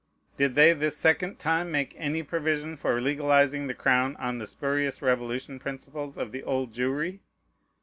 Did they this second time make any provision for legalizing the crown on the spurious Revolution principles of the Old Jewry?